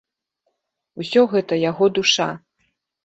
Усё гэта яго душа.